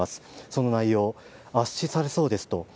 その内容、圧死されそうですと。